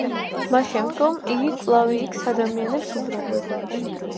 მას შემდგომ იგი კვლავ იქს-ადამიანებს უბრუნდება.